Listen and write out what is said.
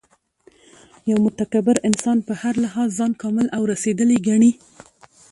یو متکبر انسان په هر لحاظ ځان کامل او رسېدلی ګڼي